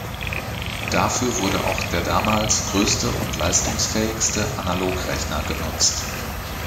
Dafür wurde auch der damals größte und leistungsfähigste Analogrechner genutzt.